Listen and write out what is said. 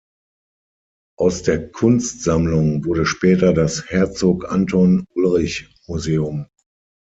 Aus der Kunstsammlung wurde später das Herzog Anton Ulrich-Museum.